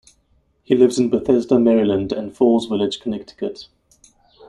He lives in Bethesda, Maryland, and Falls Village, Connecticut.